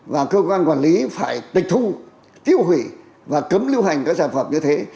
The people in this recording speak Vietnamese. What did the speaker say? và cơ quan quản lý phải tịch thu tiêu hủy và cấm lưu hành các sản phẩm như thế